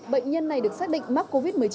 bệnh nhân này được xác định mắc covid một mươi chín